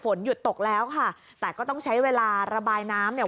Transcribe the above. หยุดตกแล้วค่ะแต่ก็ต้องใช้เวลาระบายน้ำเนี่ย